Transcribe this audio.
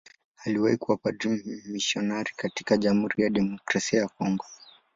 Aliwahi kuwa padri mmisionari katika Jamhuri ya Kidemokrasia ya Kongo.